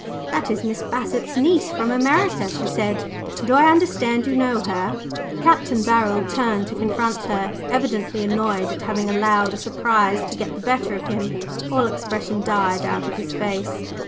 "That is Miss Bassett's niece, from America," she said. "Do I understand you know her?" Capt. Barold turned to confront her, evidently annoyed at having allowed a surprise to get the better of him. All expression died out of his face.